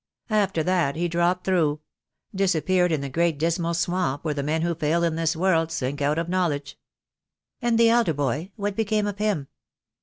After that he dropped through — disappeared in the great dismal swamp where the men who fail in this world sink out of knowledge." "And the elder boy; what became of him?"